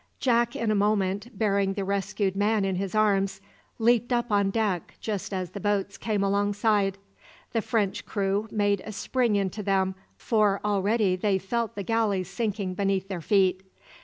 Jack in a moment, bearing the rescued man in his arms, leaped up on deck just as the boats came alongside. The French crew made a spring into them, for already they felt the galley sinking beneath their feet.